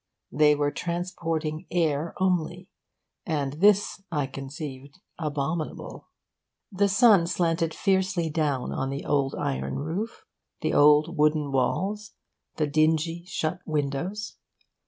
They were transporting air only and this (I conceived) abominable. The sun slanted fiercely down on the old iron roof, the old wooden walls, the dingy shut windows.